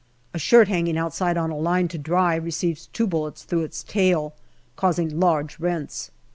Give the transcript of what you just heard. A shirt hanging outside on a line to dry receives two bullets through its tail, causing large rents.